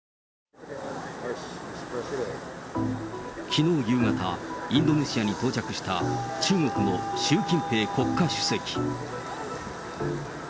きのう夕方、インドネシアに到着した中国の習近平国家主席。